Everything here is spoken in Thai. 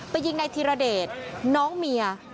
ไปยิงในธิระเดชน้องเมีย